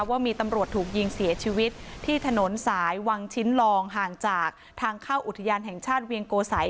ว่ามีตำรวจถูกยิงเสียชีวิตที่ถนนสายวังชิ้นลองห่างจากทางเข้าอุทยานแห่งชาติเวียงโกสัย